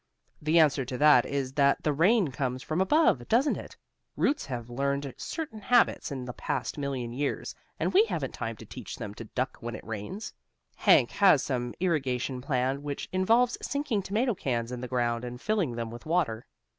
The answer to that is that the rain comes from above, doesn't it? Roots have learned certain habits in the past million years and we haven't time to teach them to duck when it rains. Hank has some irrigation plan which involves sinking tomato cans in the ground and filling them with water.